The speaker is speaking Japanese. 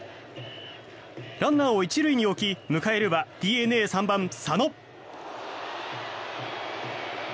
ランナーを１塁に置き迎えるはＤｅＮＡ３番、佐野。